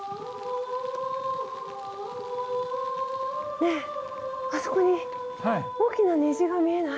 ねえあそこに大きな虹が見えない？